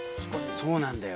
そうなんだよ。